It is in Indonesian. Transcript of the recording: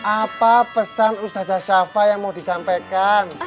apa pesan ustazah shafa yang mau disampaikan